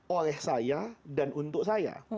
oleh saya dan untuk saya